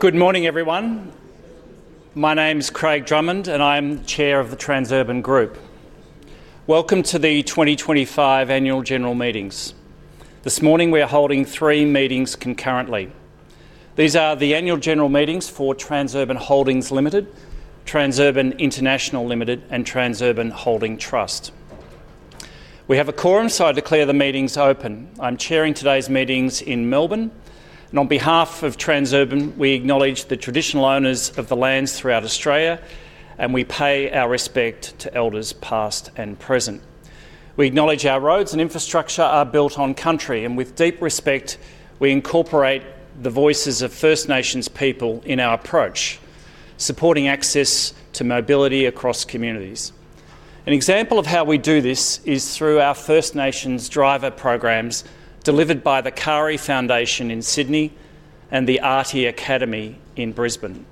Good morning, everyone. My name is Craig Drummond, and I'm Chair of the Transurban Group. Welcome to the 2025 Annual General Meetings. This morning, we are holding three meetings concurrently. These are the Annual General Meetings for Transurban Holdings Limited, Transurban International Limited, and Transurban Holding Trust. We have a quorum, so I declare the meetings open. I'm chairing today's meetings in Melbourne. On behalf of Transurban, we acknowledge the traditional owners of the lands throughout Australia, and we pay our respect to elders past and present. We acknowledge our roads and infrastructure are built on country, and with deep respect, we incorporate the voices of First Nations people in our approach, supporting access to mobility across communities. An example of how we do this is through our First Nations Driver Programs, delivered by the Cowrie Foundation in Sydney and the ARTIE Academy in Brisbane.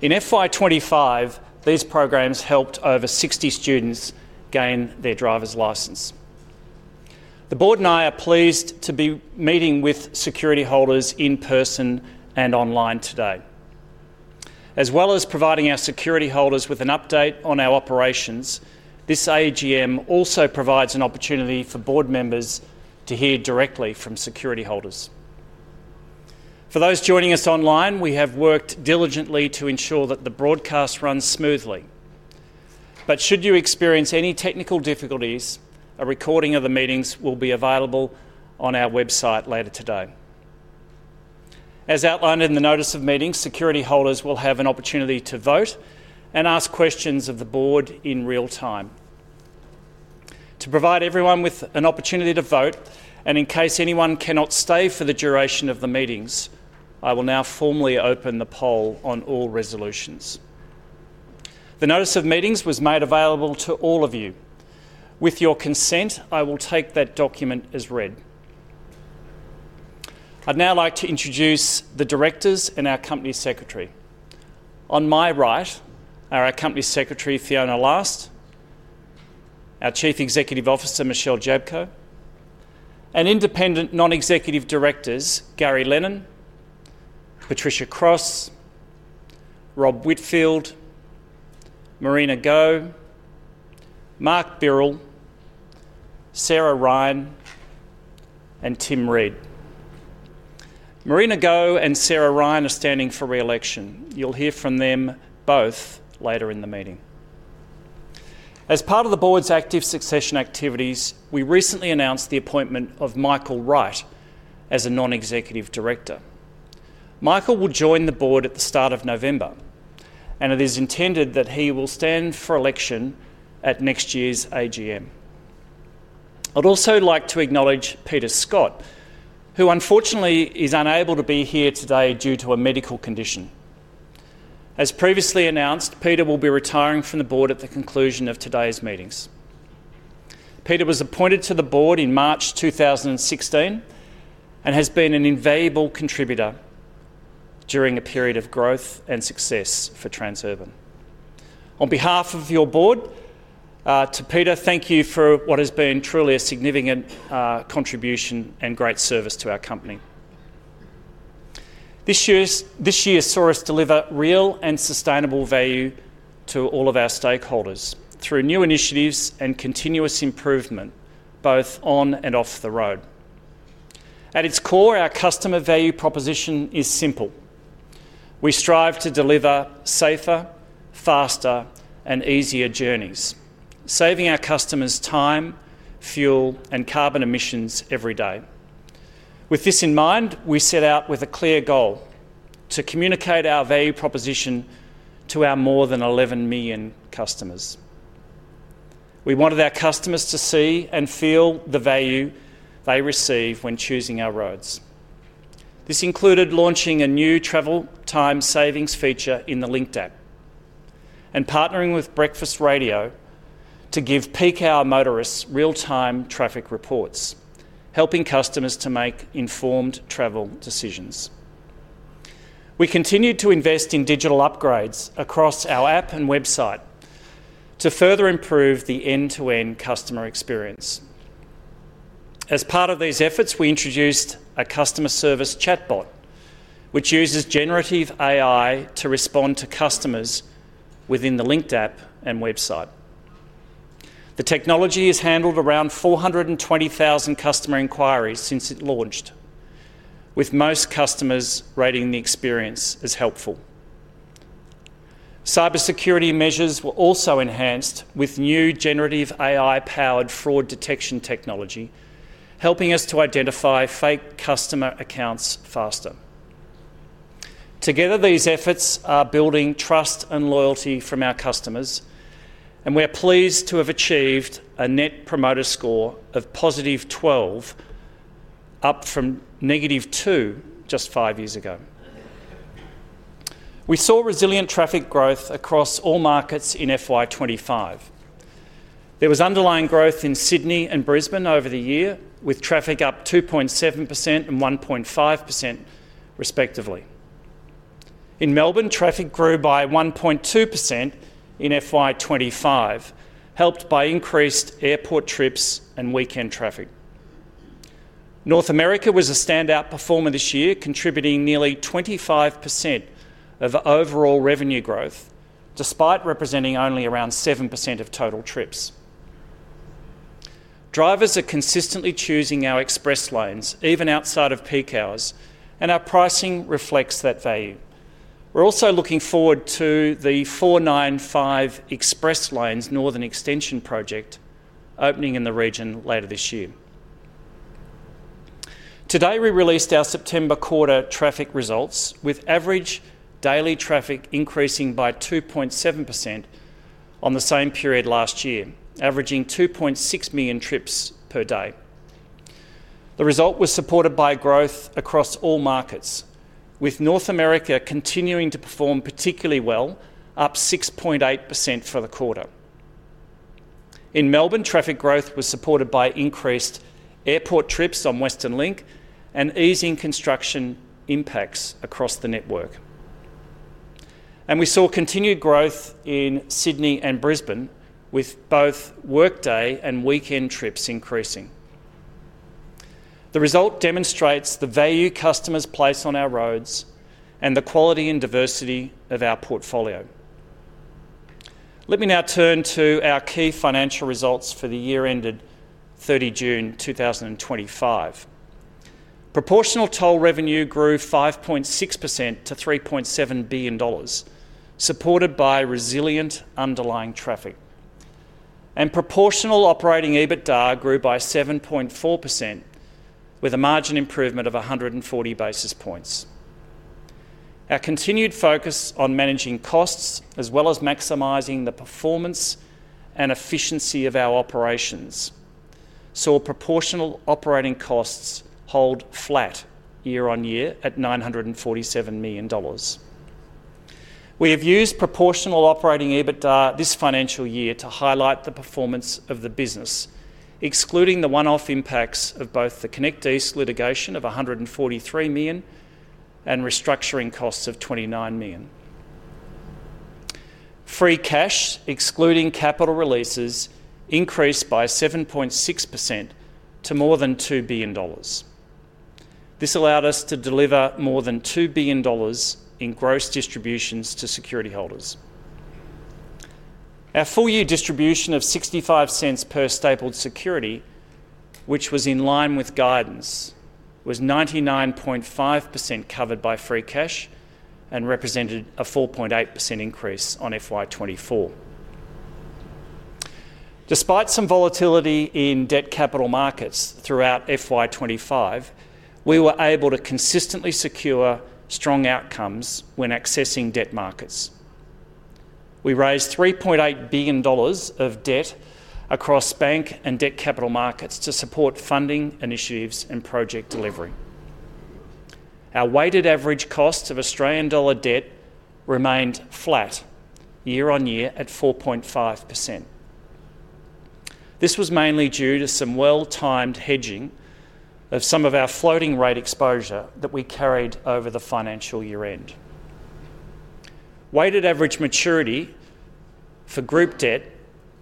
In FY 2025, these programmes helped over 60 students gain their driver's license. The Board and I are pleased to be meeting with security holders in person and online today. As well as providing our security holders with an update on our operations, this AGM also provides an opportunity for Board members to hear directly from security holders. For those joining us online, we have worked diligently to ensure that the broadcast runs smoothly. Should you experience any technical difficulties, a recording of the meetings will be available on our website later today. As outlined in the notice of meetings, security holders will have an opportunity to vote and ask questions of the Board in real time. To provide everyone with an opportunity to vote, and in case anyone cannot stay for the duration of the meetings, I will now formally open the poll on all resolutions. The notice of meetings was made available to all of you. With your consent, I will take that document as read. I'd now like to introduce the directors and our Company Secretary. On my right are our Company Secretary, Fiona Last, our Chief Executive Officer, Michelle Jablko, and independent non-executive directors, Gary Lennon, Patricia Cross, Rob Whitfield, Marina Go, Mark Birrell, Sarah Ryan, and Tim Reed. Marina Go and Sarah Ryan are standing for re-election. You'll hear from them both later in the meeting. As part of the Board's active succession activities, we recently announced the appointment of Michael Wright as a non-executive Director. Michael will join the Board at the start of November, and it is intended that he will stand for election at next year's AGM. I'd also like to acknowledge Peter Scott, who unfortunately is unable to be here today due to a medical condition. As previously announced, Peter will be retiring from the Board at the conclusion of today's meetings. Peter was appointed to the Board in March 2016 and has been an invaluable contributor during a period of growth and success for Transurban. On behalf of your Board, to Peter, thank you for what has been truly a significant contribution and great service to our company. This year saw us deliver real and sustainable value to all of our stakeholders through new initiatives and continuous improvement, both on and off the road. At its core, our customer value proposition is simple. We strive to deliver safer, faster, and easier journeys, saving our customers time, fuel, and carbon emissions every day. With this in mind, we set out with a clear goal: to communicate our value proposition to our more than 11 million customers. We wanted our customers to see and feel the value they receive when choosing our roads. This included launching a new travel time savings feature in the Linkt app and partnering with Breakfast Radio to give peak hour motorists real-time traffic reports, helping customers to make informed travel decisions. We continued to invest in digital upgrades across our app and website to further improve the end-to-end customer experience. As part of these efforts, we introduced a customer service chatbot, which uses generative AI to respond to customers within the Linkt app and website. The technology has handled around 420,000 customer inquiries since it launched, with most customers rating the experience as helpful. Cybersecurity measures were also enhanced with new generative AI-powered fraud detection technology, helping us to identify fake customer accounts faster. Together, these efforts are building trust and loyalty from our customers, and we're pleased to have achieved a net promoter score of +12, up from -2 just five years ago. We saw resilient traffic growth across all markets in FY 2025. There was underlying growth in Sydney and Brisbane over the year, with traffic up 2.7% and 1.5% respectively. In Melbourne, traffic grew by 1.2% in FY 2025, helped by increased airport trips and weekend traffic. North America was a standout performer this year, contributing nearly 25% of overall revenue growth, despite representing only around 7% of total trips. Drivers are consistently choosing our express lanes, even outside of peak hours, and our pricing reflects that value. We're also looking forward to the 495 Express Lanes Northern Extension project opening in the region later this year. Today, we released our September quarter traffic results, with average daily traffic increasing by 2.7% on the same period last year, averaging 2.6 million trips per day. The result was supported by growth across all markets, with North America continuing to perform particularly well, up 6.8% for the quarter. In Melbourne, traffic growth was supported by increased airport trips on Western Link and easing construction impacts across the network. We saw continued growth in Sydney and Brisbane, with both workday and weekend trips increasing. The result demonstrates the value customers place on our roads and the quality and diversity of our portfolio. Let me now turn to our key financial results for the year ended 30 June 2025. Proportional toll revenue grew 5.6% to 3.7 billion dollars, supported by resilient underlying traffic. Proportional operating EBITDA grew by 7.4%, with a margin improvement of 140 basis points. Our continued focus on managing costs, as well as maximizing the performance and efficiency of our operations, saw proportional operating costs hold flat year-on-year at 947 million dollars. We have used proportional operating EBITDA this financial year to highlight the performance of the business, excluding the one-off impacts of both the ConnectEast litigation of 143 million and restructuring costs of 29 million. Free cash, excluding capital releases, increased by 7.6% to more than 2 billion dollars. This allowed us to deliver more than 2 billion dollars in gross distributions to security holders. Our full-year distribution of 0.65 per stapled security, which was in line with guidance, was 99.5% covered by free cash and represented a 4.8% increase on FY 2024. Despite some volatility in debt capital markets throughout FY 2025, we were able to consistently secure strong outcomes when accessing debt markets. We raised 3.8 billion dollars of debt across bank and debt capital markets to support funding initiatives and project delivery. Our weighted average cost of Australian dollar debt remained flat year-on-year at 4.5%. This was mainly due to some well-timed hedging of some of our floating rate exposure that we carried over the financial year end. Weighted average maturity for group debt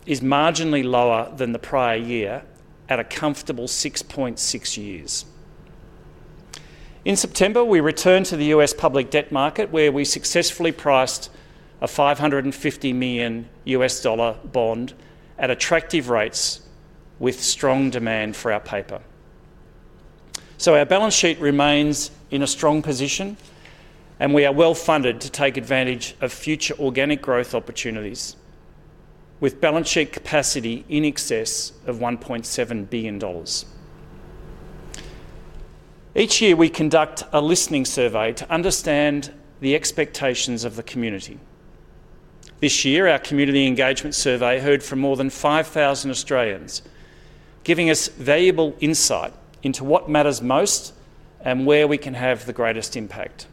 is marginally lower than the prior year at a comfortable 6.6 years. In September, we returned to the U.S. public debt market, where we successfully priced a $550 million bond at attractive rates with strong demand for our paper. Our balance sheet remains in a strong position, and we are well funded to take advantage of future organic growth opportunities, with balance sheet capacity in excess of 1.7 billion dollars. Each year, we conduct a listening survey to understand the expectations of the community. This year, our community engagement survey heard from more than 5,000 Australians, giving us valuable insight into what matters most and where we can have the greatest impact.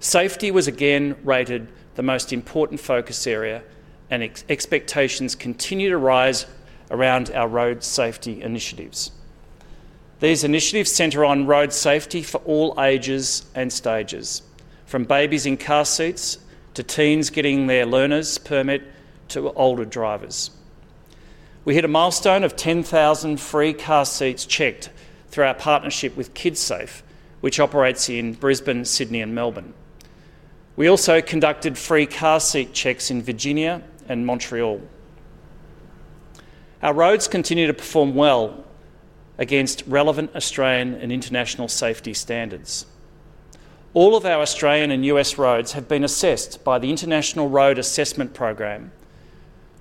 Safety was again rated the most important focus area, and expectations continue to rise around our road safety initiatives. These initiatives center on road safety for all ages and stages, from babies in car seats to teens getting their learner's permit to older drivers. We hit a milestone of 10,000 free car seats checked through our partnership with Kidsafe, which operates in Brisbane, Sydney, and Melbourne. We also conducted free car seat checks in Virginia and Montreal. Our roads continue to perform well against relevant Australian and international safety standards. All of our Australian and U.S. roads have been assessed by the International Road Assessment Programme,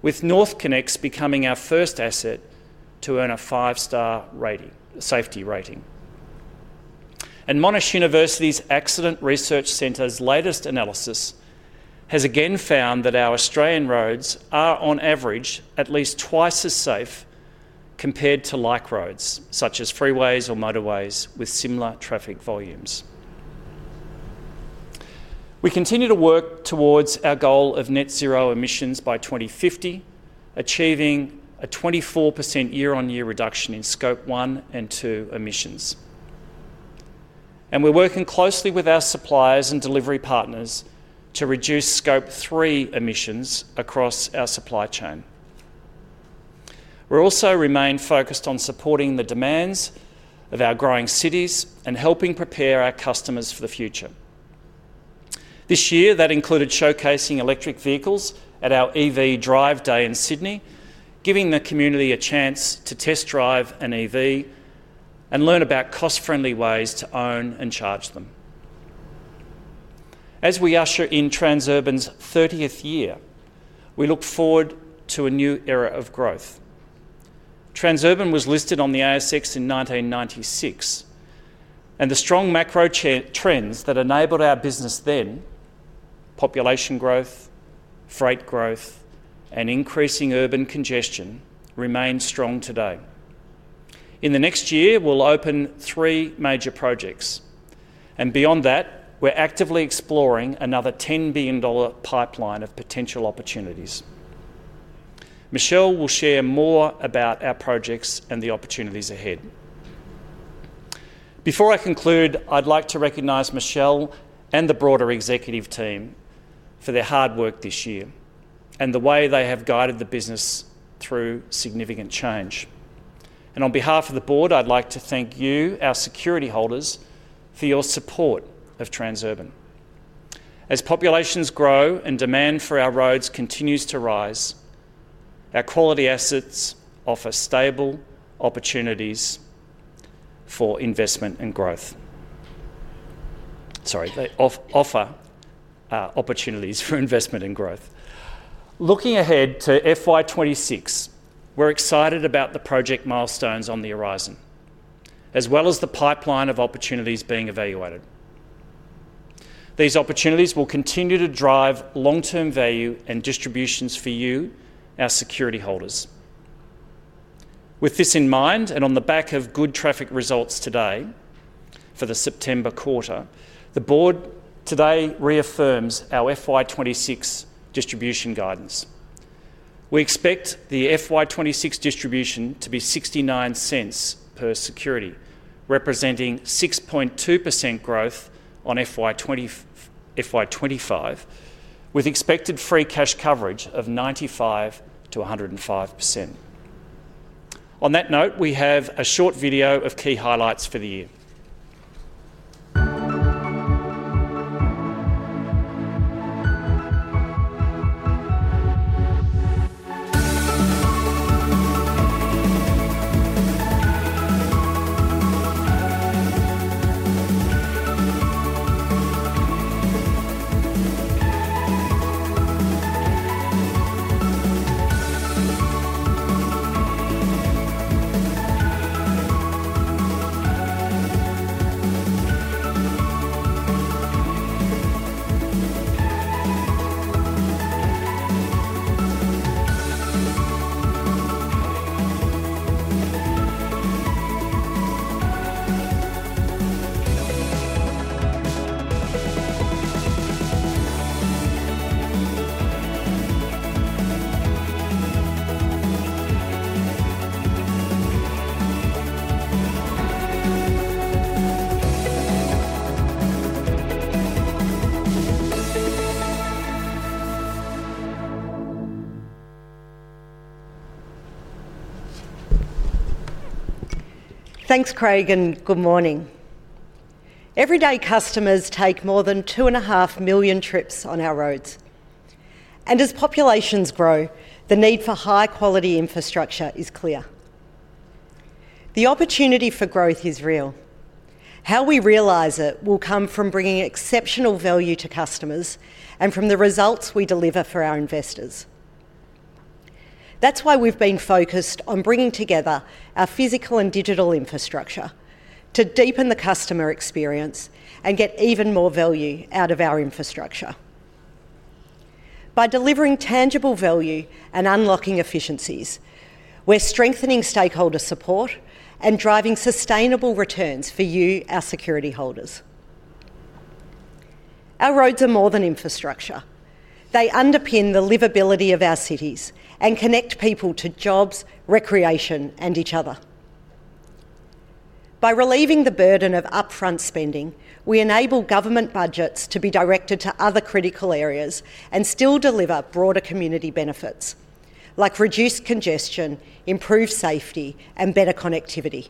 with NorthConnex becoming our first asset to earn a five-star safety rating. Monash University's Accident Research Centre's latest analysis has again found that our Australian roads are, on average, at least twice as safe compared to like roads, such as freeways or motorways with similar traffic volumes. We continue to work towards our goal of net zero emissions by 2050, achieving a 24% year-on-year reduction in Scope 1 and 2 emissions. We are working closely with our suppliers and delivery partners to reduce Scope 3 emissions across our supply chain. We also remain focused on supporting the demands of our growing cities and helping prepare our customers for the future. This year, that included showcasing electric vehicles at our EV Drive Day in Sydney, giving the community a chance to test drive an EV and learn about cost-friendly ways to own and charge them. As we usher in Transurban's 30th year, we look forward to a new era of growth. Transurban was listed on the ASX in 1996, and the strong macro trends that enabled our business then—population growth, freight growth, and increasing urban congestion—remain strong today. In the next year, we'll open three major projects, and beyond that, we're actively exploring another 10 billion dollar pipeline of potential opportunities. Michelle will share more about our projects and the opportunities ahead. Before I conclude, I'd like to recognize Michelle and the broader executive team for their hard work this year and the way they have guided the business through significant change. On behalf of the Board, I'd like to thank you, our security holders, for your support of Transurban. As populations grow and demand for our roads continues to rise, our quality assets offer opportunities for investment and growth. Looking ahead to FY 2026, we're excited about the project milestones on the horizon, as well as the pipeline of opportunities being evaluated. These opportunities will continue to drive long-term value and distributions for you, our security holders. With this in mind, and on the back of good traffic results today for the September quarter, the Board today reaffirms our FY 2026 distribution guidance. We expect the FY 2026 distribution to be 0.69 per security, representing 6.2% growth on FY 2025, with expected free cash coverage of 95%-105%. On that note, we have a short video of key highlights for the year. Thanks, Craig, and good morning. Every day customers take more than 2.5 million trips on our roads. As populations grow, the need for high-quality infrastructure is clear. The opportunity for growth is real. How we realize it will come from bringing exceptional value to customers and from the results we deliver for our investors. That's why we've been focused on bringing together our physical and digital infrastructure to deepen the customer experience and get even more value out of our infrastructure. By delivering tangible value and unlocking efficiencies, we're strengthening stakeholder support and driving sustainable returns for you, our security holders. Our roads are more than infrastructure. They underpin the livability of our cities and connect people to jobs, recreation, and each other. By relieving the burden of upfront spending, we enable government budgets to be directed to other critical areas and still deliver broader community benefits, like reduced congestion, improved safety, and better connectivity.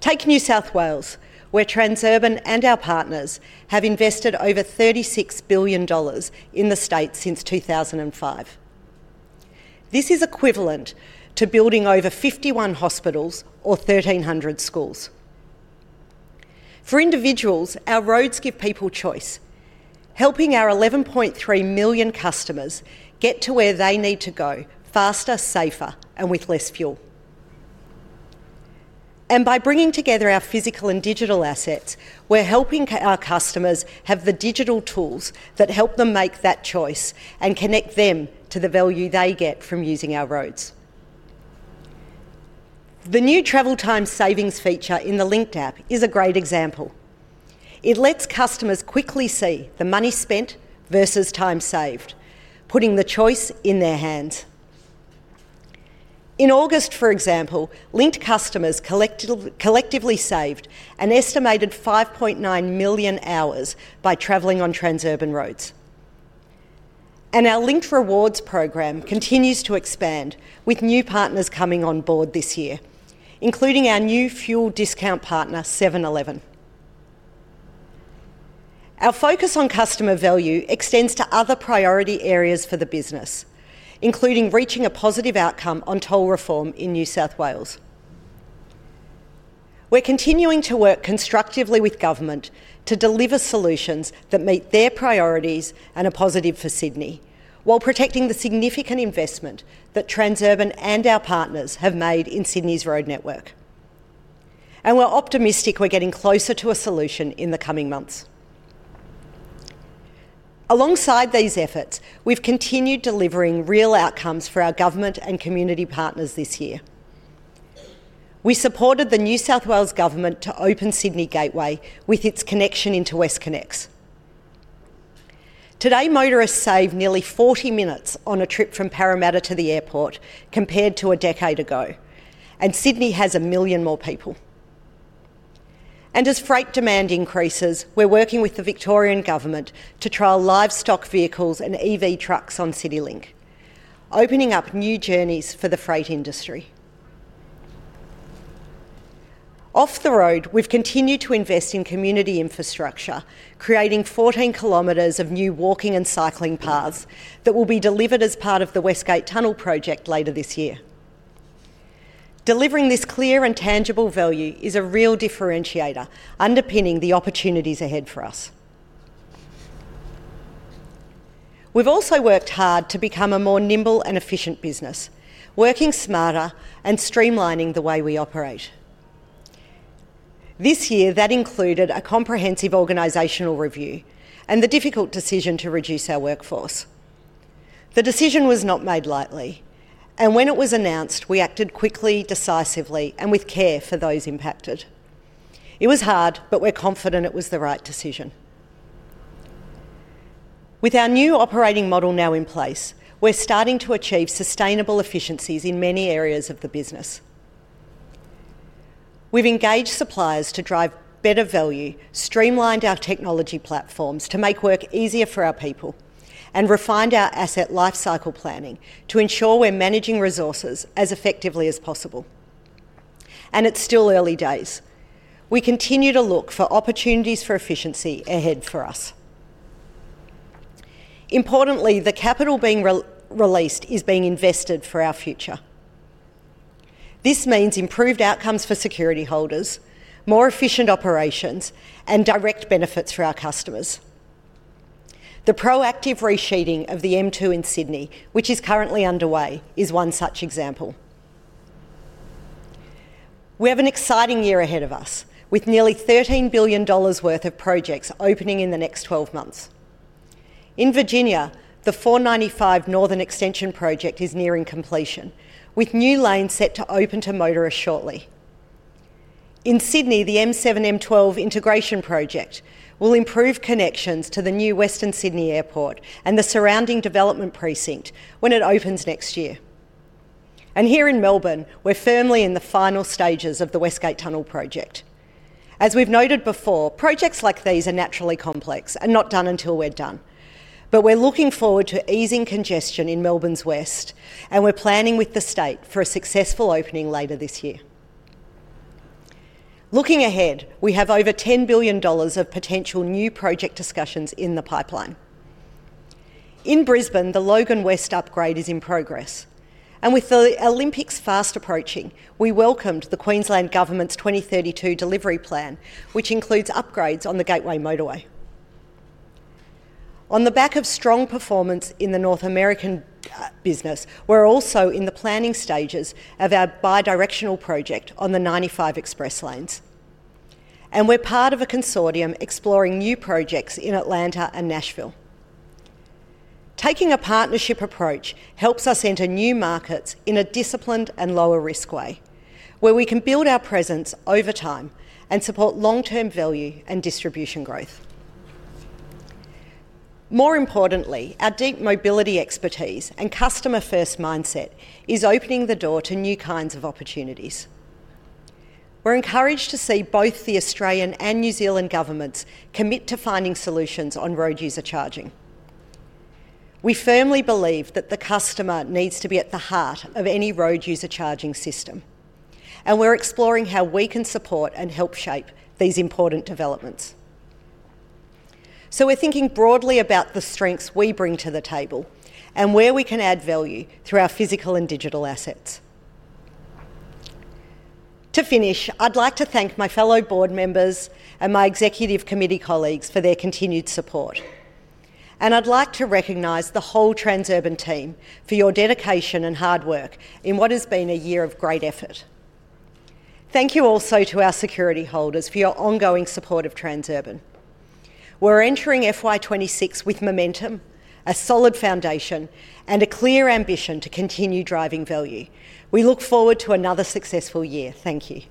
Take New South Wales, where Transurban and our partners have invested over 36 billion dollars in the state since 2005. This is equivalent to building over 51 hospitals or 1,300 schools. For individuals, our roads give people choice, helping our 11.3 million customers get to where they need to go faster, safer, and with less fuel. By bringing together our physical and digital assets, we're helping our customers have the digital tools that help them make that choice and connect them to the value they get from using our roads. The new travel time savings feature in the Linkt app is a great example. It lets customers quickly see the money spent versus time saved, putting the choice in their hands. In August, for example, Linkt customers collectively saved an estimated 5.9 million hours by traveling on Transurban roads. Our Linkt Rewards Programme continues to expand with new partners coming on board this year, including our new fuel discount partner, 7-Eleven. Our focus on customer value extends to other priority areas for the business, including reaching a positive outcome on toll reform in New South Wales. We're continuing to work constructively with government to deliver solutions that meet their priorities and are positive for Sydney, while protecting the significant investment that Transurban and our partners have made in Sydney's road network. We're optimistic we're getting closer to a solution in the coming months. Alongside these efforts, we've continued delivering real outcomes for our government and community partners this year. We supported the New South Wales government to open Sydney Gateway with its connection into WestConnex. Today, motorists save nearly 40 minutes on a trip from Parramatta to the airport compared to a decade ago, and Sydney has a million more people. As freight demand increases, we're working with the Victorian government to trial livestock vehicles and EV trucks on CityLink, opening up new journeys for the freight industry. Off the road, we've continued to invest in community infrastructure, creating 14 km of new walking and cycling paths that will be delivered as part of the West Gate Tunnel Project later this year. Delivering this clear and tangible value is a real differentiator underpinning the opportunities ahead for us. We've also worked hard to become a more nimble and efficient business, working smarter and streamlining the way we operate. This year, that included a comprehensive organizational review and the difficult decision to reduce our workforce. The decision was not made lightly, and when it was announced, we acted quickly, decisively, and with care for those impacted. It was hard, but we're confident it was the right decision. With our new operating model now in place, we're starting to achieve sustainable efficiencies in many areas of the business. We've engaged suppliers to drive better value, streamlined our technology platforms to make work easier for our people, and refined our asset lifecycle planning to ensure we're managing resources as effectively as possible. It's still early days. We continue to look for opportunities for efficiency ahead for us. Importantly, the capital being released is being invested for our future. This means improved outcomes for security holders, more efficient operations, and direct benefits for our customers. The proactive resheathing of the M2 in Sydney, which is currently underway, is one such example. We have an exciting year ahead of us, with nearly 13 billion dollars worth of projects opening in the next 12 months. In Virginia, the 495 Northern Extension Project is nearing completion, with new lanes set to open to motorists shortly. In Sydney, the M7-M12 Integration Project will improve connections to the new Western Sydney Airport and the surrounding development precinct when it opens next year. Here in Melbourne, we're firmly in the final stages of the West Gate Tunnel Project. As we've noted before, projects like these are naturally complex and not done until we're done. We're looking forward to easing congestion in Melbourne's West, and we're planning with the state for a successful opening later this year. Looking ahead, we have over 10 billion dollars of potential new project discussions in the pipeline. In Brisbane, the Logan West upgrade is in progress. With the Olympics fast approaching, we welcomed the Queensland Government's 2032 Delivery Plan, which includes upgrades on the Gateway Motorway. On the back of strong performance in the North American business, we're also in the planning stages of our bi-directional project on the 95 Express Lanes. We're part of a consortium exploring new projects in Atlanta and Nashville. Taking a partnership approach helps us enter new markets in a disciplined and lower-risk way, where we can build our presence over time and support long-term value and distribution growth. More importantly, our deep mobility expertise and customer-first mindset are opening the door to new kinds of opportunities. We're encouraged to see both the Australian and New Zealand governments commit to finding solutions on road user charging. We firmly believe that the customer needs to be at the heart of any road user charging system, and we're exploring how we can support and help shape these important developments. We're thinking broadly about the strengths we bring to the table and where we can add value through our physical and digital assets. To finish, I'd like to thank my fellow Board members and my executive committee colleagues for their continued support. I'd like to recognise the whole Transurban team for your dedication and hard work in what has been a year of great effort. Thank you also to our security holders for your ongoing support of Transurban. We're entering FY 2026 with momentum, a solid foundation, and a clear ambition to continue driving value. We look forward to another successful year. Thank you.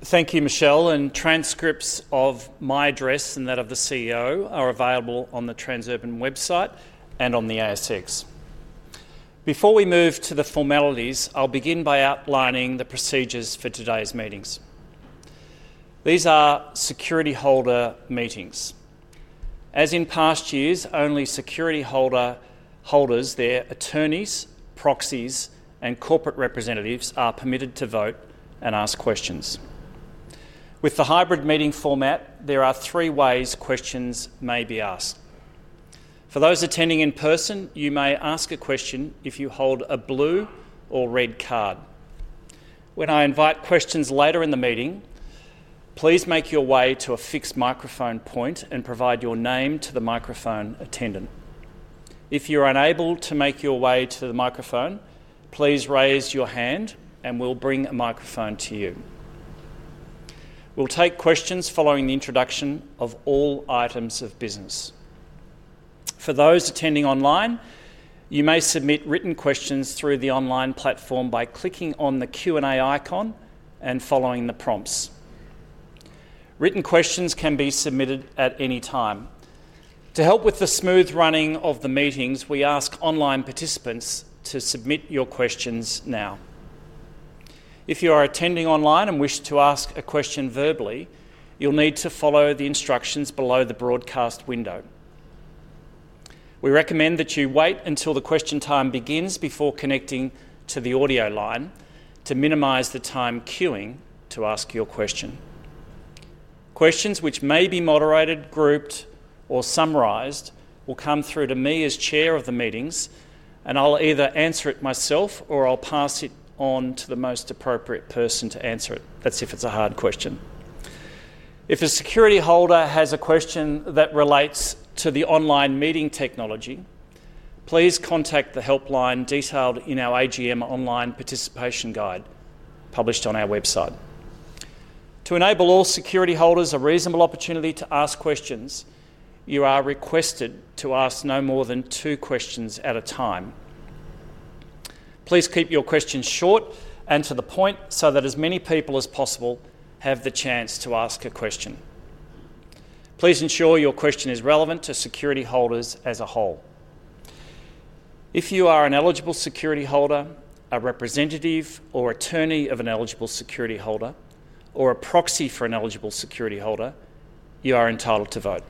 Thank you, Michelle. Transcripts of my address and that of the CEO are available on the Transurban website and on the ASX. Before we move to the formalities, I'll begin by outlining the procedures for today's meetings. These are security holder meetings. As in past years, only security holders, their attorneys, proxies, and corporate representatives are permitted to vote and ask questions. With the hybrid meeting format, there are three ways questions may be asked. For those attending in person, you may ask a question if you hold a blue or red card. When I invite questions later in the meeting, please make your way to a fixed microphone point and provide your name to the microphone attendant. If you're unable to make your way to the microphone, please raise your hand and we'll bring a microphone to you. We'll take questions following the introduction of all items of business. For those attending online, you may submit written questions through the online platform by clicking on the Q&A icon and following the prompts. Written questions can be submitted at any time. To help with the smooth running of the meetings, we ask online participants to submit your questions now. If you are attending online and wish to ask a question verbally, you'll need to follow the instructions below the broadcast window. We recommend that you wait until the question time begins before connecting to the audio line to minimize the time queuing to ask your question. Questions, which may be moderated, grouped, or summarized, will come through to me as Chair of the meetings, and I'll either answer it myself or I'll pass it on to the most appropriate person to answer it. That's if it's a hard question. If a security holder has a question that relates to the online meeting technology, please contact the helpline detailed in our AGM online participation guide, published on our website. To enable all security holders a reasonable opportunity to ask questions, you are requested to ask no more than two questions at a time. Please keep your questions short and to the point so that as many people as possible have the chance to ask a question. Please ensure your question is relevant to security holders as a whole. If you are an eligible security holder, a representative or attorney of an eligible security holder, or a proxy for an eligible security holder, you are entitled to vote.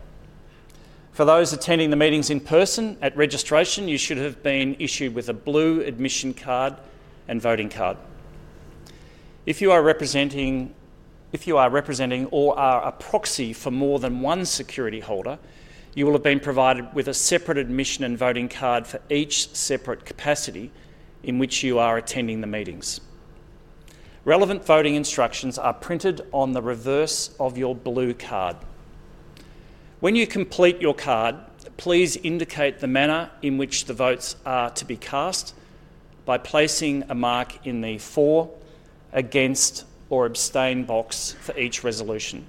For those attending the meetings in person, at registration, you should have been issued with a blue admission card and voting card. If you are representing or are a proxy for more than one security holder, you will have been provided with a separate admission and voting card for each separate capacity in which you are attending the meetings. Relevant voting instructions are printed on the reverse of your blue card. When you complete your card, please indicate the manner in which the votes are to be cast by placing a mark in the for, against, or abstain box for each resolution.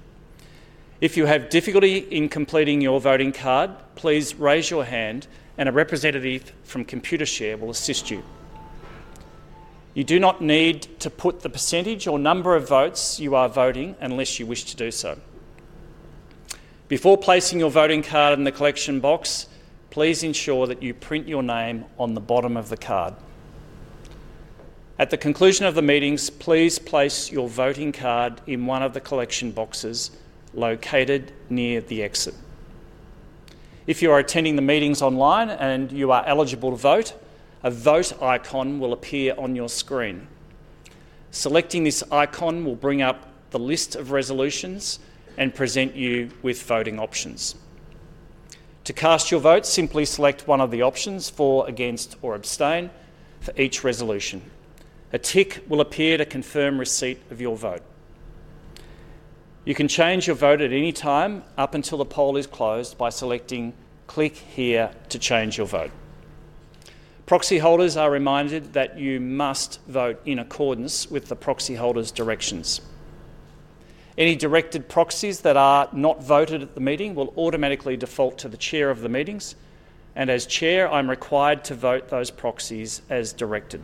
If you have difficulty in completing your voting card, please raise your hand and a representative from Computershare will assist you. You do not need to put the percentage or number of votes you are voting unless you wish to do so. Before placing your voting card in the collection box, please ensure that you print your name on the bottom of the card. At the conclusion of the meetings, please place your voting card in one of the collection boxes located near the exit. If you are attending the meetings online and you are eligible to vote, a vote icon will appear on your screen. Selecting this icon will bring up the list of resolutions and present you with voting options. To cast your vote, simply select one of the options for, against, or abstain for each resolution. A tick will appear to confirm receipt of your vote. You can change your vote at any time up until the poll is closed by selecting "Click here to change your vote." Proxy holders are reminded that you must vote in accordance with the proxy holder's directions. Any directed proxies that are not voted at the meeting will automatically default to the Chair of the meetings, and as Chair, I'm required to vote those proxies as directed.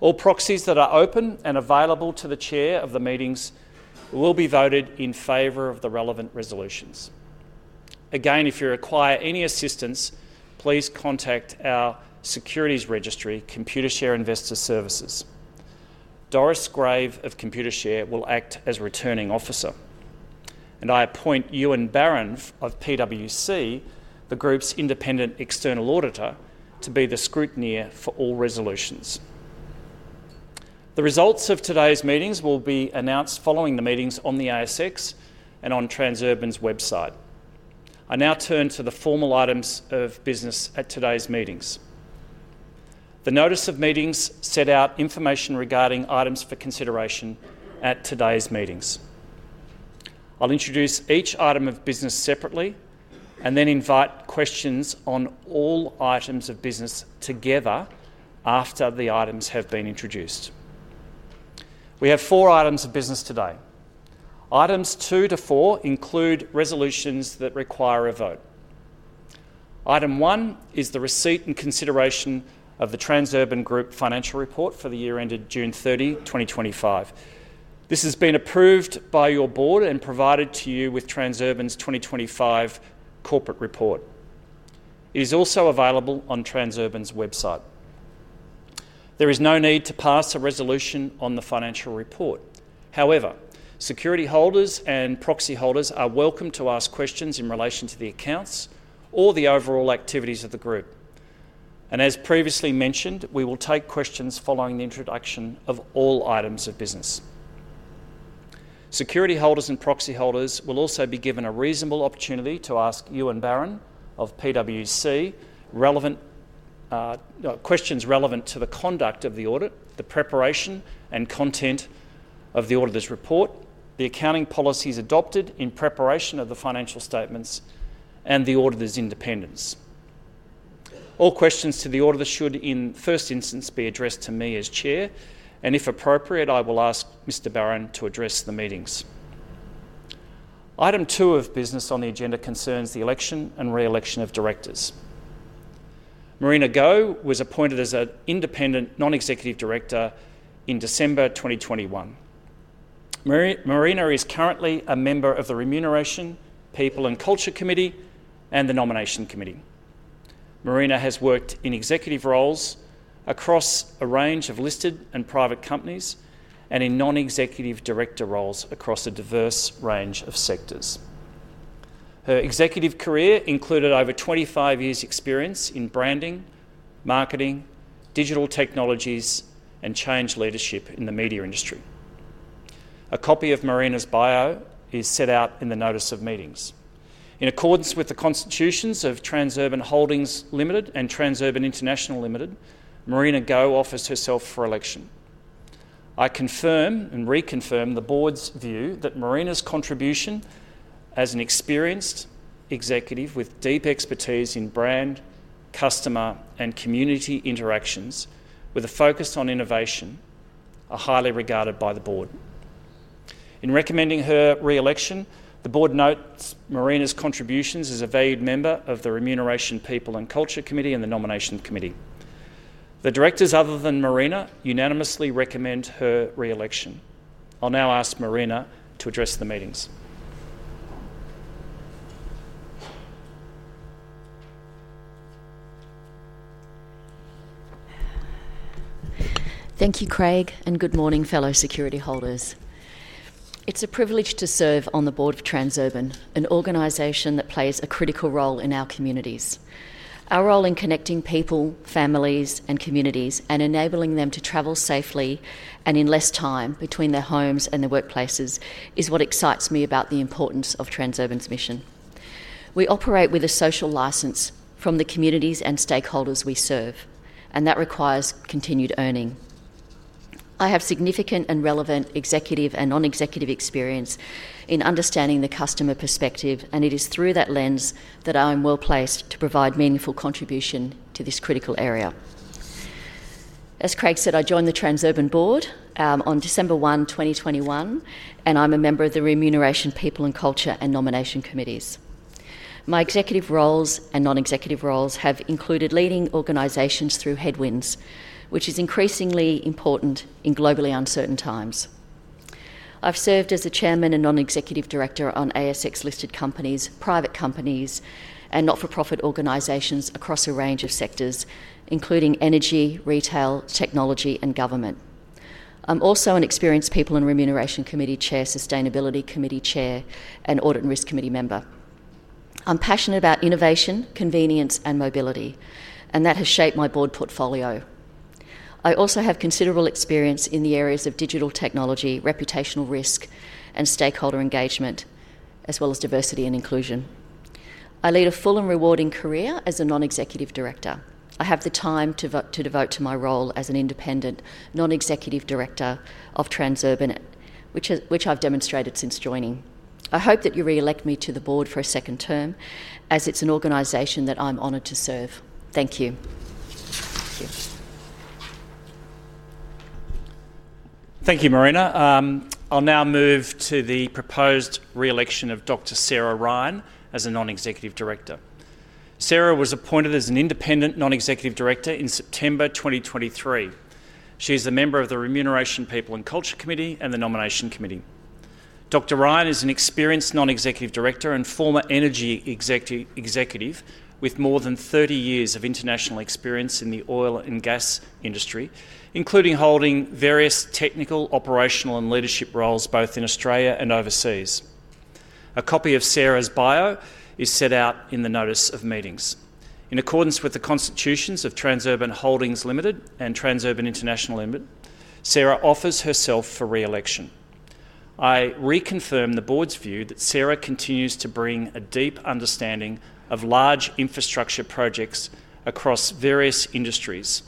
All proxies that are open and available to the Chair of the meetings will be voted in favor of the relevant resolutions. Again, if you require any assistance, please contact our securities registry, Computershare Investor Services. Doris Grave of Computershare will act as returning officer, and I appoint Ewan Barron of PwC, the group's independent external auditor, to be the scrutineer for all resolutions. The results of today's meetings will be announced following the meetings on the ASX and on Transurban's website. I now turn to the formal items of business at today's meetings. The notice of meetings set out information regarding items for consideration at today's meetings. I'll introduce each item of business separately and then invite questions on all items of business together after the items have been introduced. We have four items of business today. Items two to four include resolutions that require a vote. Item one is the receipt and consideration of the Transurban Group financial report for the year ended June 30, 2025. This has been approved by your Board and provided to you with Transurban's 2025 corporate report. It is also available on Transurban's website. There is no need to pass a resolution on the financial report. However, security holders and proxy holders are welcome to ask questions in relation to the accounts or the overall activities of the group. As previously mentioned, we will take questions following the introduction of all items of business. Security holders and proxy holders will also be given a reasonable opportunity to ask Ewan Barron of PwC questions relevant to the conduct of the audit, the preparation and content of the auditor's report, the accounting policies adopted in preparation of the financial statements, and the auditor's independence. All questions to the auditor should in first instance be addressed to me as Chair, and if appropriate, I will ask Mr. Barron to address the meetings. Item two of business on the agenda concerns the election and re-election of directors. Marina Go was appointed as an independent non-executive director in December 2021. Marina is currently a member of the Remuneration, People and Culture Committee, and the Nomination Committee. Marina has worked in executive roles across a range of listed and private companies and in non-executive director roles across a diverse range of sectors. Her executive career included over 25 years' experience in branding, marketing, digital technologies, and change leadership in the media industry. A copy of Marina's bio is set out in the notice of meetings. In accordance with the constitutions of Transurban Holdings Limited and Transurban International Limited, Marina Go offers herself for election. I confirm and reconfirm the Board's view that Marina's contribution as an experienced executive with deep expertise in brand, customer, and community interactions, with a focus on innovation, is highly regarded by the Board. In recommending her re-election, the Board notes Marina's contributions as a valued member of the Remuneration, People and Culture Committee, and the Nomination Committee. The directors, other than Marina Go, unanimously recommend her re-election. I'll now ask Marina Go to address the meetings. Thank you, Craig, and good morning, fellow security holders. It's a privilege to serve on the Board of Transurban, an organization that plays a critical role in our communities. Our role in connecting people, families, and communities, and enabling them to travel safely and in less time between their homes and their workplaces is what excites me about the importance of Transurban's mission. We operate with a social license from the communities and stakeholders we serve, and that requires continued earning. I have significant and relevant executive and non-executive experience in understanding the customer perspective, and it is through that lens that I am well placed to provide meaningful contribution to this critical area. As Craig said, I joined the Transurban Board on December 1, 2021, and I'm a member of the Remuneration, People and Culture, and Nomination Committees. My executive roles and non-executive roles have included leading organizations through headwinds, which is increasingly important in globally uncertain times. I've served as the Chairman and Non-Executive Director on ASX-listed companies, private companies, and not-for-profit organizations across a range of sectors, including energy, retail, technology, and government. I'm also an experienced People and Remuneration Committee Chair, Sustainability Committee Chair, and Audit and Risk Committee member. I'm passionate about innovation, convenience, and mobility, and that has shaped my Board portfolio. I also have considerable experience in the areas of digital technology, reputational risk, and stakeholder engagement, as well as diversity and inclusion. I lead a full and rewarding career as a non-executive director. I have the time to devote to my role as an independent non-executive director of Transurban, which I've demonstrated since joining. I hope that you re-elect me to the Board for a second term, as it's an organization that I'm honored to serve. Thank you. Thank you, Marina. I'll now move to the proposed re-election of Dr. Sarah Ryan as a Non-Executive Director. Sarah was appointed as an independent Non-Executive Director in September 2023. She is a member of the Remuneration, People and Culture Committee, and the Nomination Committee. Dr. Ryan is an experienced Non-Executive Director and former energy executive with more than 30 years of international experience in the oil and gas industry, including holding various technical, operational, and leadership roles both in Australia and overseas. A copy of Sarah's bio is set out in the notice of meetings. In accordance with the constitutions of Transurban Holdings Limited and Transurban International Limited, Sarah offers herself for re-election. I reconfirm the Board's view that Sarah continues to bring a deep understanding of large infrastructure projects across various industries,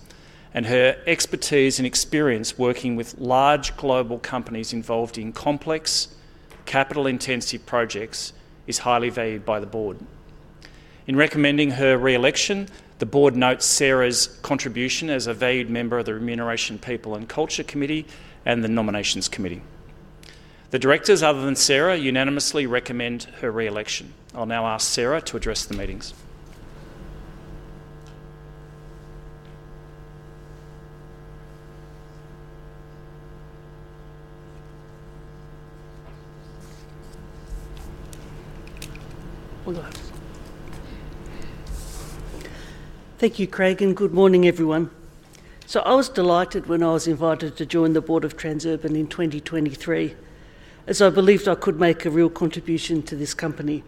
and her expertise and experience working with large global companies involved in complex, capital-intensive projects is highly valued by the Board. In recommending her re-election, the Board notes Sarah's contribution as a valued member of the Remuneration, People and Culture Committee, and the Nomination Committee. The directors, other than Sarah, unanimously recommend her re-election. I'll now ask Sarah to address the meetings. Thank you, Craig, and good morning, everyone. I was delighted when I was invited to join the Board of Transurban in 2023, as I believed I could make a real contribution to this company,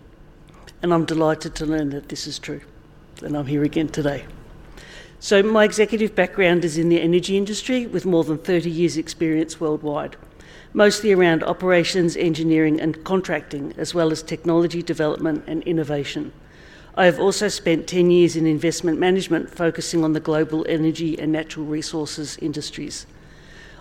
and I'm delighted to learn that this is true, and I'm here again today. My executive background is in the energy industry with more than 30 years' experience worldwide, mostly around operations, engineering, and contracting, as well as technology development and innovation. I have also spent 10 years in investment management, focusing on the global energy and natural resources industries.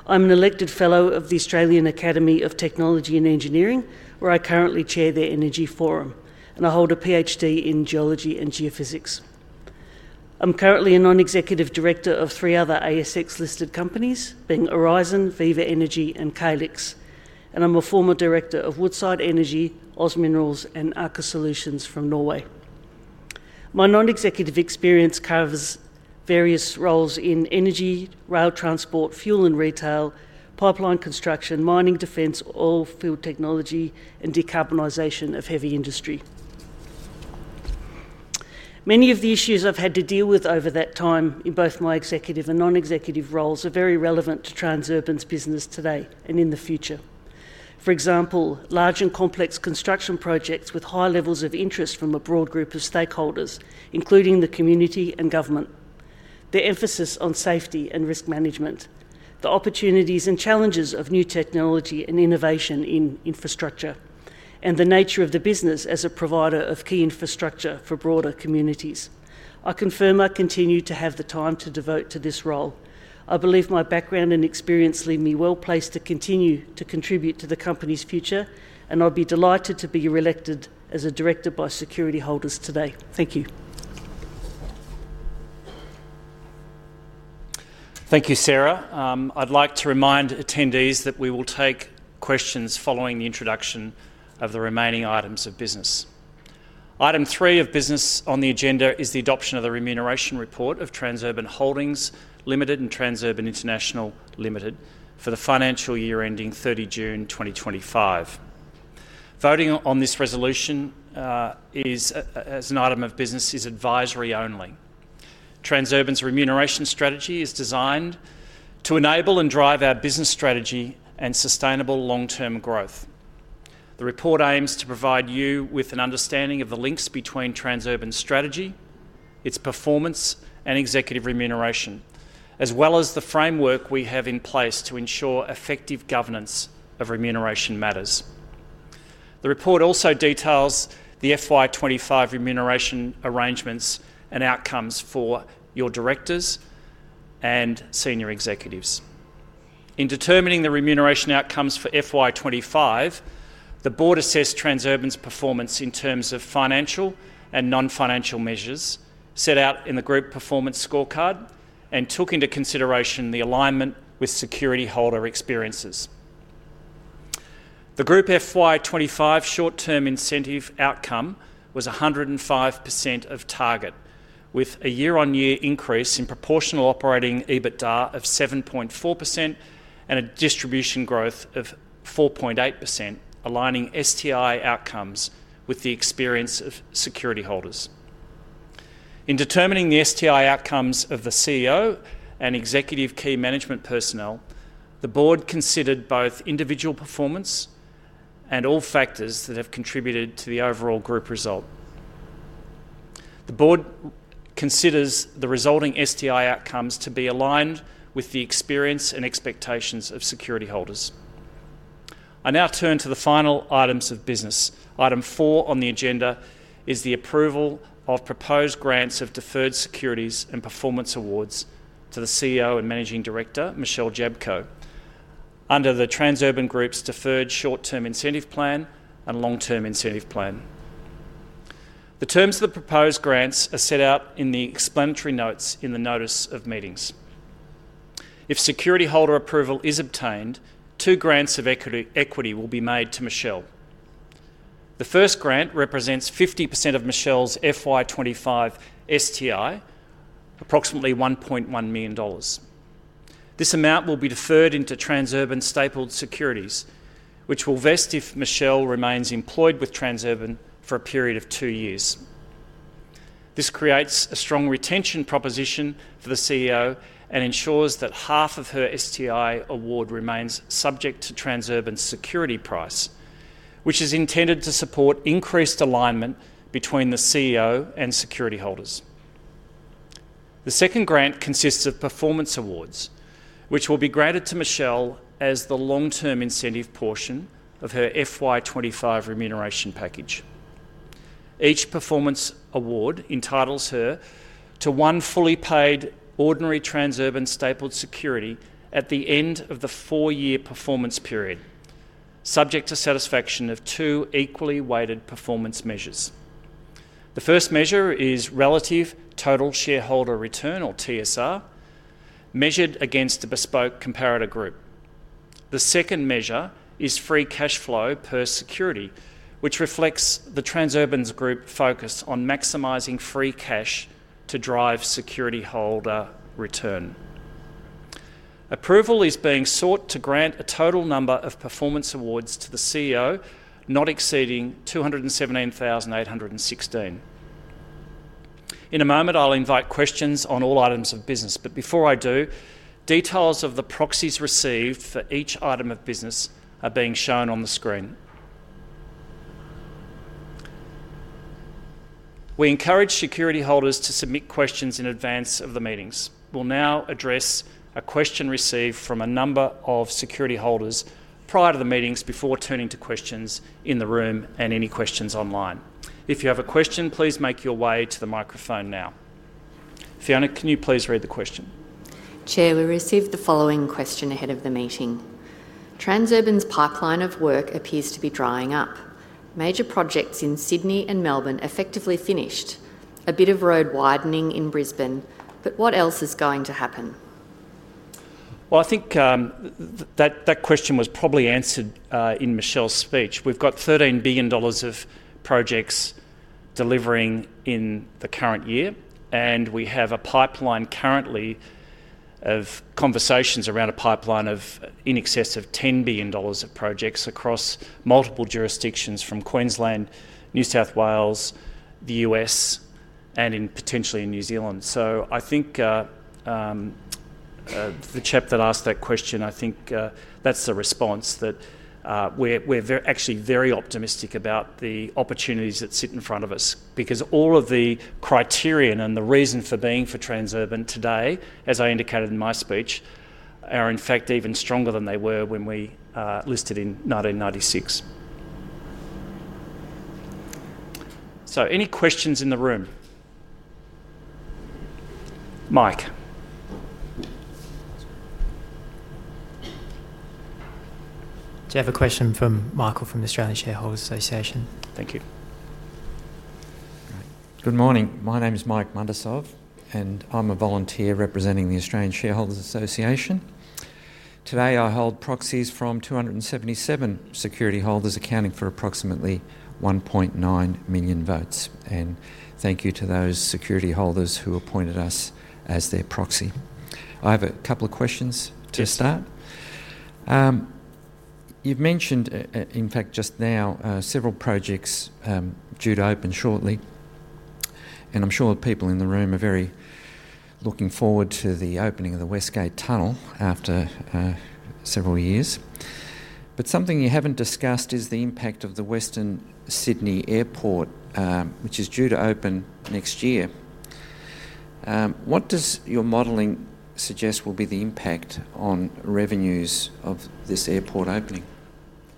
I'm an elected fellow of the Australian Academy of Technology and Engineering, where I currently chair their Energy Forum, and I hold a PhD in Geology and Geophysics. I'm currently a non-executive director of three other ASX-listed companies, being Horizon, Viva Energy, and Calix, and I'm a former director of Woodside Energy, OZ Minerals, and Aker Solutions from Norway. My non-executive experience covers various roles in energy, rail transport, fuel and retail, pipeline construction, mining, defense, oilfield technology, and decarbonization of heavy industry. Many of the issues I've had to deal with over that time in both my executive and non-executive roles are very relevant to Transurban's business today and in the future. For example, large and complex construction projects with high levels of interest from a broad group of stakeholders, including the community and government, the emphasis on safety and risk management, the opportunities and challenges of new technology and innovation in infrastructure, and the nature of the business as a provider of key infrastructure for broader communities. I confirm I continue to have the time to devote to this role. I believe my background and experience leave me well placed to continue to contribute to the company's future, and I'll be delighted to be re-elected as a director by security holders today. Thank you. Thank you, Sarah. I'd like to remind attendees that we will take questions following the introduction of the remaining items of business. Item three of business on the agenda is the adoption of the Remuneration Report of Transurban Holdings Limited and Transurban International Limited for the financial year ending 30 June 2025. Voting on this resolution, as an item of business, is advisory only. Transurban's remuneration strategy is designed to enable and drive our business strategy and sustainable long-term growth. The report aims to provide you with an understanding of the links between Transurban's strategy, its performance, and executive remuneration, as well as the framework we have in place to ensure effective governance of remuneration matters. The report also details the FY 2025 remuneration arrangements and outcomes for your directors and senior executives. In determining the remuneration outcomes for FY 2025, the Board assessed Transurban's performance in terms of financial and non-financial measures set out in the Group Performance Scorecard and took into consideration the alignment with security holder experiences. The Group FY 2025 short-term incentive outcome was 105% of target, with a year-on-year increase in proportional operating EBITDA of 7.4% and a distribution growth of 4.8%, aligning STI outcomes with the experience of security holders. In determining the STI outcomes of the CEO and executive key management personnel, the Board considered both individual performance and all factors that have contributed to the overall group result. The Board considers the resulting STI outcomes to be aligned with the experience and expectations of security holders. I now turn to the final items of business. Item four on the agenda is the approval of proposed grants of deferred securities and performance awards to the CEO and Managing Director, Michelle Jablko, under the Transurban Group's deferred short-term incentive plan and long-term incentive plan. The terms of the proposed grants are set out in the explanatory notes in the notice of meetings. If security holder approval is obtained, two grants of equity will be made to Michelle. The first grant represents 50% of Michelle's FY 2025 STI, approximately 1.1 million dollars. This amount will be deferred into Transurban stapled securities, which will vest if Michelle remains employed with Transurban for a period of two years. This creates a strong retention proposition for the CEO and ensures that half of her STI award remains subject to Transurban's security price, which is intended to support increased alignment between the CEO and security holders. The second grant consists of performance awards, which will be granted to Michelle as the long-term incentive portion of her FY 2025 remuneration package. Each performance award entitles her to one fully paid ordinary Transurban stapled security at the end of the four-year performance period, subject to satisfaction of two equally weighted performance measures. The first measure is Relative Total Shareholder Return, or TSR, measured against a bespoke comparator group. The second measure is Free Cash Flow per Security, which reflects Transurban Group's focus on maximizing free cash to drive security holder return. Approval is being sought to grant a total number of performance awards to the CEO not exceeding 217,816. In a moment, I'll invite questions on all items of business, but before I do, details of the proxies received for each item of business are being shown on the screen. We encourage security holders to submit questions in advance of the meetings. We'll now address a question received from a number of security holders prior to the meetings before turning to questions in the room and any questions online. If you have a question, please make your way to the microphone now. Fiona, can you please read the question? Chair, we received the following question ahead of the meeting. Transurban's pipeline of work appears to be drying up. Major projects in Sydney and Melbourne effectively finished, a bit of road widening in Brisbane, but what else is going to happen? I think that question was probably answered in Michelle's speech. We've got 13 billion dollars of projects delivering in the current year, and we have a pipeline currently of conversations around a pipeline of in excess of 10 billion dollars of projects across multiple jurisdictions from Queensland, New South Wales, the U.S., and potentially in New Zealand. I think the chap that asked that question, I think that's the response that we're actually very optimistic about the opportunities that sit in front of us because all of the criteria and the reason for being for Transurban today, as I indicated in my speech, are in fact even stronger than they were when we listed in 1996. Any questions in the room? Mike. Do you have a question from Michael from the Australian Shareholders' Association? Thank you. Great. Good morning. My name is Mike Muntisov, and I'm a volunteer representing the Australian Shareholders' Association. Today, I hold proxies from 277 security holders, accounting for approximately 1.9 million votes, and thank you to those security holders who appointed us as their proxy. I have a couple of questions to start. You've mentioned, in fact, just now several projects due to open shortly, and I'm sure people in the room are very looking forward to the opening of the West Gate Tunnel after several years. Something you haven't discussed is the impact of the Western Sydney Airport, which is due to open next year. What does your modelling suggest will be the impact on revenues of this airport opening?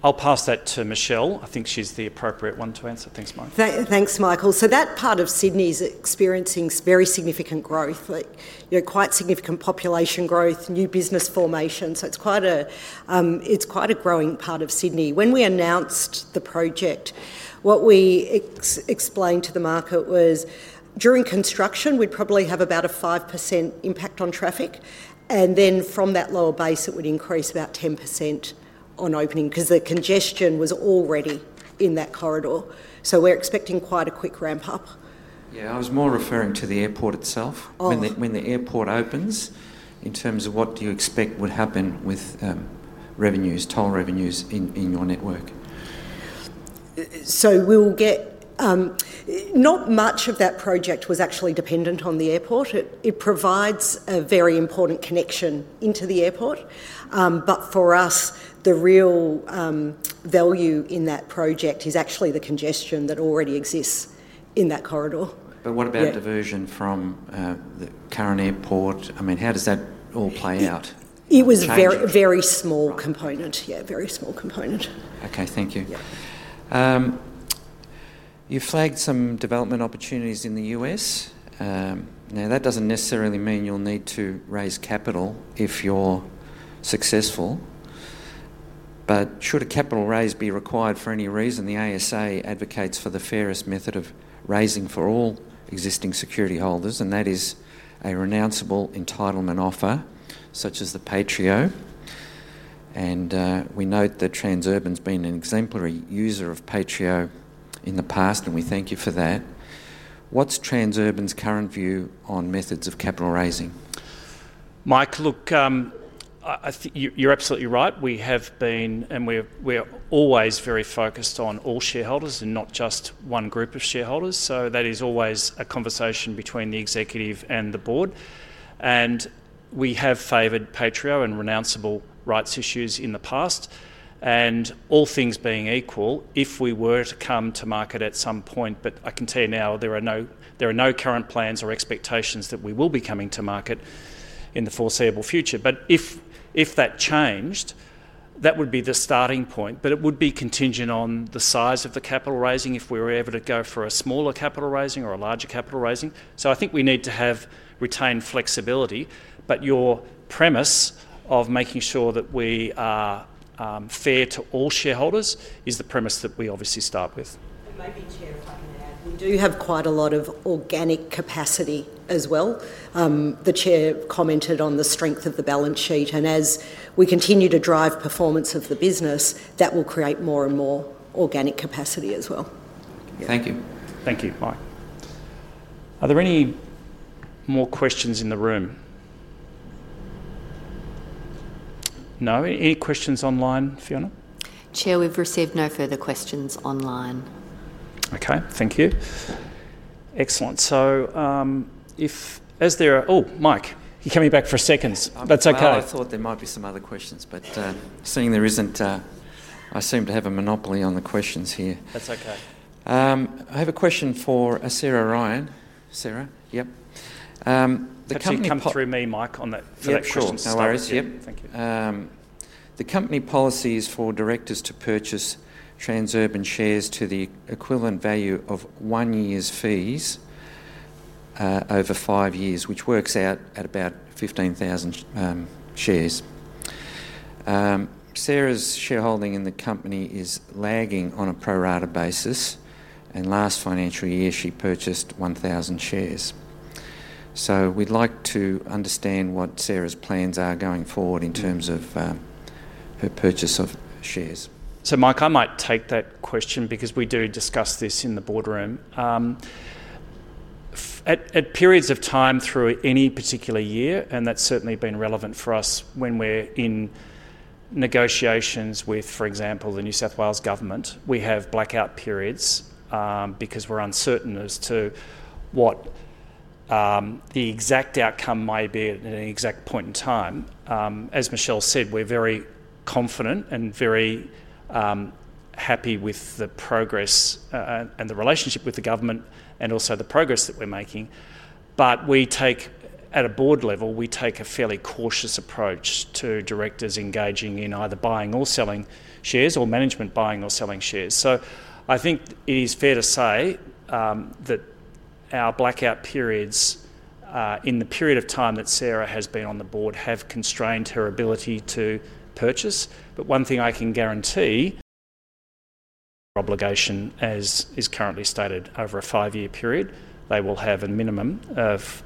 I'll pass that to Michelle. I think she's the appropriate one to answer. Thanks, Mike. Thanks, Michael. That part of Sydney is experiencing very significant growth, like quite significant population growth, new business formation. It's quite a growing part of Sydney. When we announced the project, what we explained to the market was during construction, we'd probably have about a 5% impact on traffic, and then from that lower base, it would increase about 10% on opening because the congestion was already in that corridor. We're expecting quite a quick ramp-up. Yeah, I was more referring to the airport itself. When the airport opens, in terms of what do you expect would happen with revenues, toll revenues in your network? We will get not much of that project was actually dependent on the airport. It provides a very important connection into the airport, but for us, the real value in that project is actually the congestion that already exists in that corridor. What about diversion from the current airport? I mean, how does that all play out? It was a very small component, yeah, a very small component. Okay, thank you. You flagged some development opportunities in the U.S. Now, that doesn't necessarily mean you'll need to raise capital if you're successful, but should a capital raise be required for any reason, the ASA advocates for the fairest method of raising for all existing security holders, and that is a renounceable entitlement offer such as the PATRIO. We note that Transurban's been an exemplary user of PATRIO in the past, and we thank you for that. What's Transurban's current view on methods of capital raising? Mike, look, you're absolutely right. We have been, and we're always very focused on all shareholders and not just one group of shareholders. That is always a conversation between the executive and the Board. We have favored pro-rata and renounceable rights issues in the past. All things being equal, if we were to come to market at some point, I can tell you now there are no current plans or expectations that we will be coming to market in the foreseeable future. If that changed, that would be the starting point, but it would be contingent on the size of the capital raising, if we were able to go for a smaller capital raising or a larger capital raising. I think we need to have retained flexibility, but your premise of making sure that we are fair to all shareholders is the premise that we obviously start with. We do have quite a lot of organic capacity as well. The Chair commented on the strength of the balance sheet, and as we continue to drive performance of the business, that will create more and more organic capacity as well. Thank you. Thank you, Mike. Are there any more questions in the room? No, any questions online, Fiona? Chair, we've received no further questions online. Okay, thank you. Excellent. If, as there are, oh, Mike, you're coming back for a second. That's okay. I thought there might be some other questions, but seeing there isn't, I seem to have a monopoly on the questions here. That's okay. I have a question for Sarah Ryan. Sarah, yep. You can come through me, Mike, on that. No worries. Yeah, thank you. The company policy is for directors to purchase Transurban shares to the equivalent value of one year's fees over five years, which works out at about 15,000 shares. Sarah's shareholding in the company is lagging on a pro-rata basis, and last financial year she purchased 1,000 shares. We'd like to understand what Sarah's plans are going forward in terms of her purchase of shares. Mike, I might take that question because we do discuss this in the Boardroom. At periods of time through any particular year, and that's certainly been relevant for us when we're in negotiations with, for example, the New South Wales government, we have blackout periods because we're uncertain as to what the exact outcome may be at an exact point in time. As Michelle said, we're very confident and very happy with the progress and the relationship with the government and also the progress that we're making. We take, at a Board level, a fairly cautious approach to directors engaging in either buying or selling shares or management buying or selling shares. I think it is fair to say that our blackout periods in the period of time that Sarah has been on the Board have constrained her ability to purchase. One thing I can guarantee, obligation as is currently stated over a five-year period, they will have a minimum of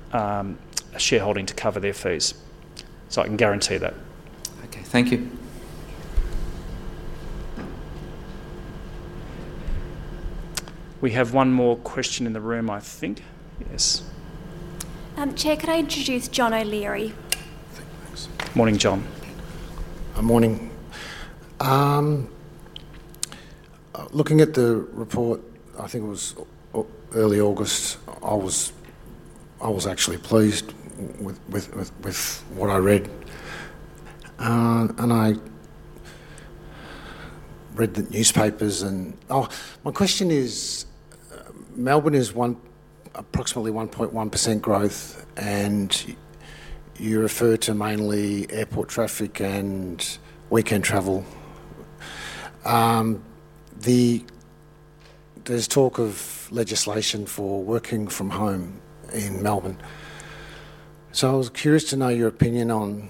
shareholding to cover their fees. I can guarantee that. Okay, thank you. We have one more question in the room, I think. Yes. Chair, could I introduce John O'Leary? Morning, John. Morning. Looking at the report, I think it was early August, I was actually pleased with what I read. I read the newspapers and my question is, Melbourne is approximately 1.1% growth, and you refer to mainly airport traffic and weekend travel. There's talk of legislation for working from home in Melbourne. I was curious to know your opinion on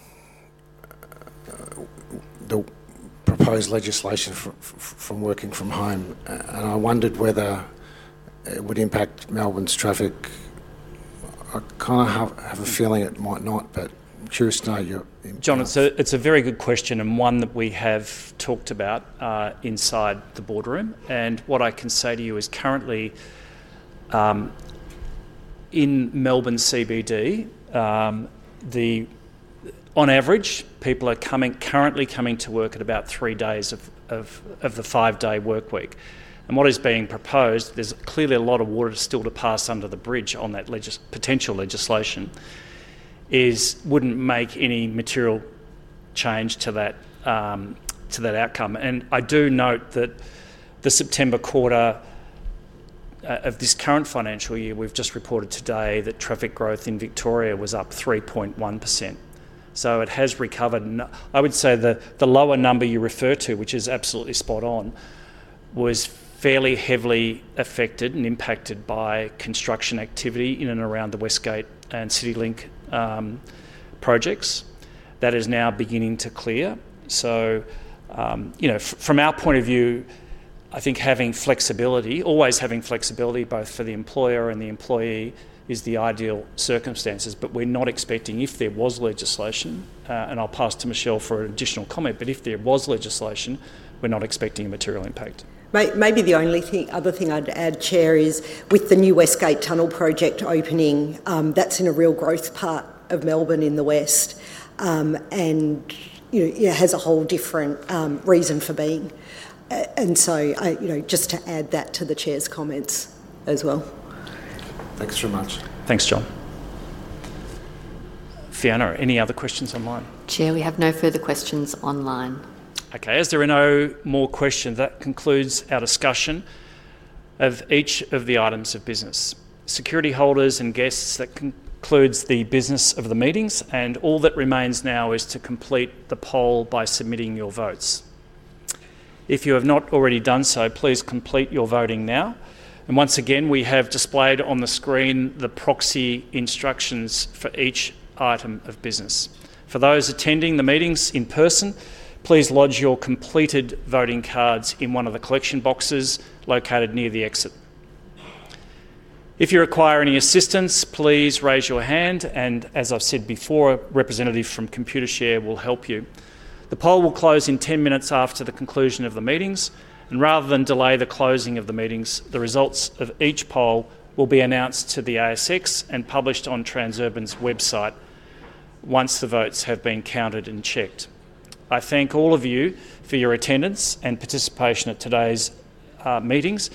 the proposed legislation for working from home, and I wondered whether it would impact Melbourne's traffic. I kind of have a feeling it might not, but I'm curious to know your. John, it's a very good question and one that we have talked about inside the Boardroom. What I can say to you is currently in Melbourne CBD, on average, people are currently coming to work at about three days of the five-day work week. What is being proposed, there's clearly a lot of water still to pass under the bridge on that potential legislation, wouldn't make any material change to that outcome. I do note that the September quarter of this current financial year, we've just reported today that traffic growth in Victoria was up 3.1%. It has recovered. I would say the lower number you refer to, which is absolutely spot on, was fairly heavily affected and impacted by construction activity in and around the West Gate and CityLink projects. That is now beginning to clear. From our point of view, I think having flexibility, always having flexibility both for the employer and the employee, is the ideal circumstances, but we're not expecting, if there was legislation, and I'll pass to Michelle for an additional comment, but if there was legislation, we're not expecting a material impact. Maybe the only other thing I'd add, Chair, is with the new West Gate Tunnel Project opening, that's in a real growth part of Melbourne in the West, and it has a whole different reason for being. Just to add that to the Chair's comments as well. Thanks very much. Thanks, John. Fiona, any other questions online? Chair, we have no further questions online. Okay, as there are no more questions, that concludes our discussion of each of the items of business. Security holders and guests, that concludes the business of the meetings, and all that remains now is to complete the poll by submitting your votes. If you have not already done so, please complete your voting now. Once again, we have displayed on the screen the proxy instructions for each item of business. For those attending the meetings in person, please lodge your completed voting cards in one of the collection boxes located near the exit. If you require any assistance, please raise your hand, and as I've said before, a representative from Computershare will help you. The poll will close in 10 minutes after the conclusion of the meetings, and rather than delay the closing of the meetings, the results of each poll will be announced to the ASX and published on Transurban's website once the votes have been counted and checked. I thank all of you for your attendance and participation at today's meetings.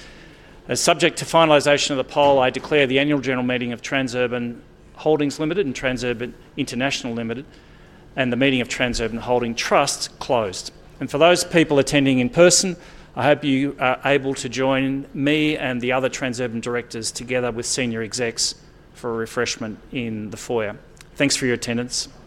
Subject to finalization of the poll, I declare the annual general meeting of Transurban Holdings Limited and Transurban International Limited and the meeting of Transurban Holding Trust closed. For those people attending in person, I hope you are able to join me and the other Transurban directors together with senior execs for a refreshment in the foyer. Thanks for your attendance. Cheers.